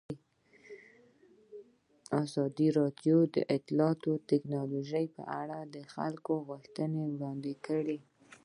ازادي راډیو د اطلاعاتی تکنالوژي لپاره د خلکو غوښتنې وړاندې کړي.